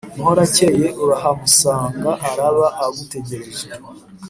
muhorakeye urahamusanga araba agutereje